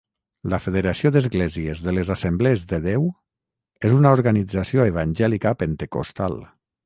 La federació d'esglésies de les assemblees de Déu és una organització evangèlica pentecostal.